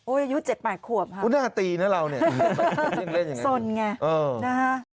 โอ้ยอายุ๗๐๐ขวบครับน่าตีนะเราเนี่ยเล่นอย่างงี้สนไงนะฮะ